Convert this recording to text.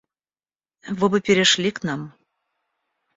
Вы бы перешли к нам.